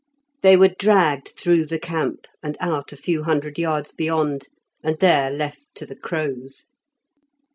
They were dragged through the camp, and out a few hundred yards beyond, and there left to the crows.